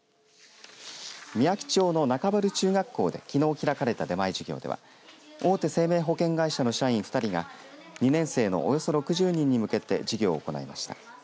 みやき町の中原中学校できのう開かれた出前授業では大手生命保険会社の社員２人が２年生のおよそ６０人に向けて授業を行いました。